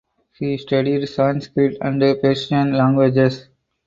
He studied Sanskrit and Persian languages.